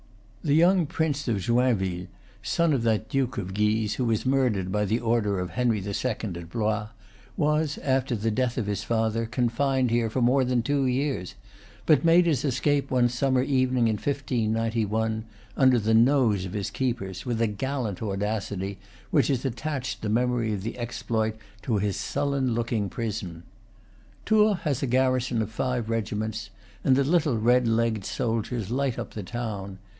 The young Prince of Joinville, son of that Duke of Guise who was murdered by the order of Henry II. at Blois, was, after the death of his father, confined here for more than two years, but made his escape one summer evening in 1591, under the nose of his keepers, with a gallant audacity which has attached the memory of the exploit to his sullen looking prison. Tours has a garrison of five regiments, and the little red legged soldiers light up the town.